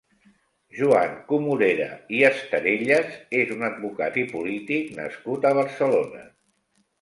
Joan Comorera i Estarellas és un advocat i polític nascut a Barcelona.